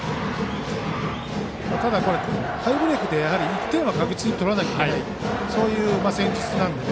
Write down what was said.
ただ、タイブレークで１点は確実に取らなければいけないそういう戦術なので。